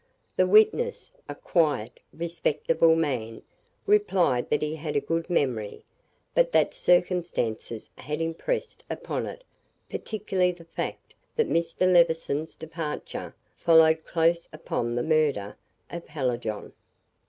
The witness, a quiet, respectable man, replied that he had a good memory; but that circumstances had impressed upon it particularly the fact that Mr. Levison's departure followed close upon the murder of Hallijohn.